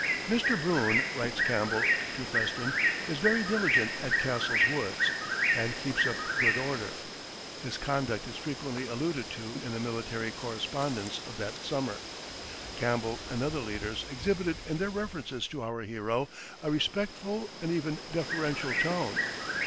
"Mr. Boone," writes Campbell to Preston, "is very diligent at Castle's woods, and keeps up good order." His conduct is frequently alluded to in the military correspondence of that summer; Campbell and other leaders exhibited in their references to our hero a respectful and even deferential tone.